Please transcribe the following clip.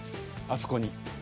あそこに。